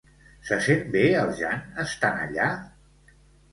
Se sent bé el Jan estant allà?